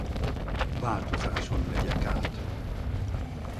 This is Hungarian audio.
Változáson megyek át.